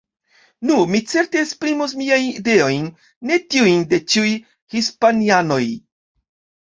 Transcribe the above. Nu, mi certe esprimus miajn ideojn, ne tiujn de ĉiuj hispanianoj.